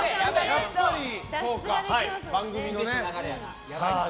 やっぱり番組のね。